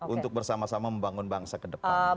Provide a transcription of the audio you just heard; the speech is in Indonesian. untuk bersama sama membangun bangsa ke depan